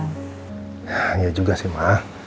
ya ya juga sih mah